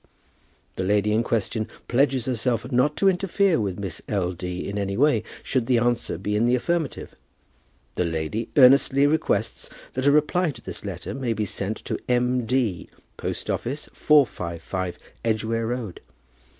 The lady in question pledges herself not to interfere with Miss L. D. in any way, should the answer be in the affirmative. The lady earnestly requests that a reply to this question may be sent to M. D., Post office, 455 Edgware Road.